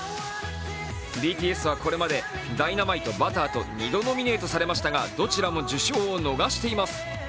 ＢＴＳはこれまで「Ｄｙｎａｍｉｔｅ」、「Ｂｕｔｔｅｒ」など２度ノミネートされましたがどちらも受賞を逃しています。